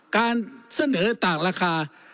การเสนอต่างราคา